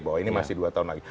bahwa ini masih dua tahun lagi